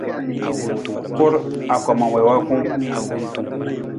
Kur, angkoma wii wa kung.